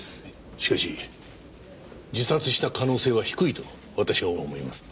しかし自殺した可能性は低いと私は思います。